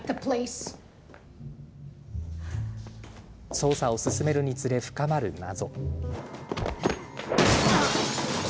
捜査を進めるにつれ深まる謎。